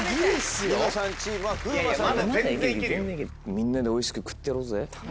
みんなでおいしく食ってやろうぜ。